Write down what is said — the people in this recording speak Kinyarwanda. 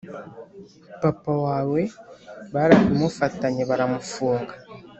papa wawe barabimufatanye baramufunga ,